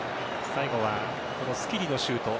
最後はスキリのシュート。